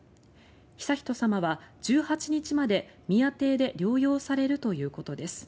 悠仁さまは１８日まで、宮邸で療養されるということです。